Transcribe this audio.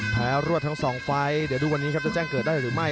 รวดทั้งสองไฟล์เดี๋ยวดูวันนี้ครับจะแจ้งเกิดได้หรือไม่